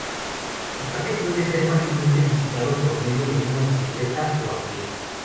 El parque puede ser fácilmente visitado por medio de una bicicleta o a pie.